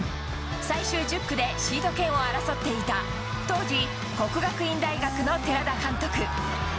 最終１０区でシード権を争っていた、当時、國學院大學の寺田監督。